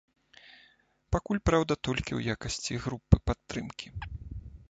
Пакуль, праўда, толькі ў якасці групы падтрымкі.